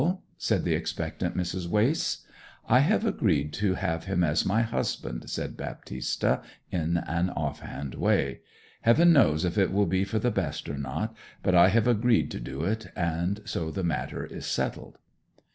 said the expectant Mrs. Wace. 'I have agreed to have him as my husband,' said Baptista, in an off hand way. 'Heaven knows if it will be for the best or not. But I have agreed to do it, and so the matter is settled.'